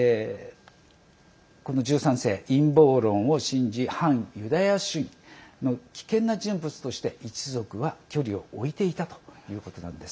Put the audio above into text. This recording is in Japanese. この１３世、陰謀論を信じ反ユダヤ主義の危険な人物として一族は距離を置いていたということなんです。